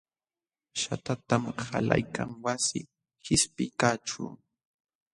Shaqtatam qalaykan wasi qishpiykaqćhu.